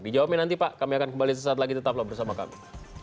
dijawabin nanti pak kami akan kembali sesaat lagi tetaplah bersama kami